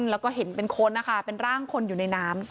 แล้วก็เห็นเป็นคนนะคะเป็นร่างคนอยู่ในน้ำ